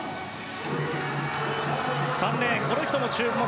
３レーン、この人も注目。